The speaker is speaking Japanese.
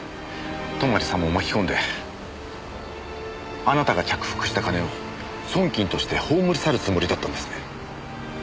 泊さんも巻き込んであなたが着服した金を損金として葬り去るつもりだったんですね。